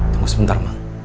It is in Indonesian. tunggu sebentar mak